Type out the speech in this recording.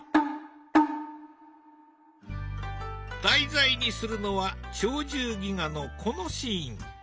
題材にするのは「鳥獣戯画」のこのシーン。